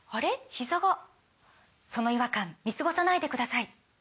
ひざがその違和感見過ごさないでください